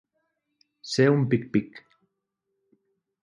Ser un pic-pic.